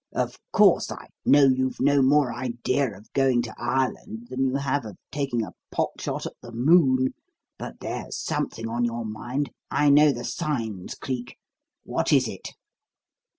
"Of course, I know you've no more idea of going to Ireland than you have of taking a pot shot at the moon: but there's something on your mind. I know the signs, Cleek. What is it?"